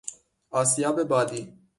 آسیاب بادی